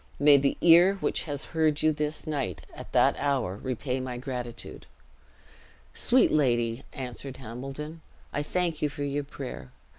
may the ear which has heard you this night, at that hour repay my gratitude!" "Sweet lady," answered Hambledon, "I thank you for your prayer.